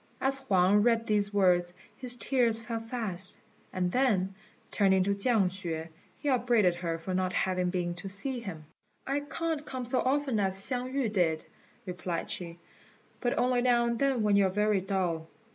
As Huang read these words his tears fell fast; and then, turning to Chiang hsüeh, he upbraided her for not having been to see him. "I can't come so often as Hsiang yü did," replied she, "but only now and then when you are very dull."